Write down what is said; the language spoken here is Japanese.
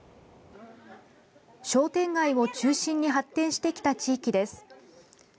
商店街を中心に発展してきた地域です。